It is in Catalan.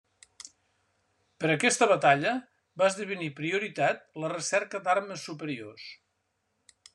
Per aquesta batalla, va esdevenir prioritat la recerca d'armes superiors.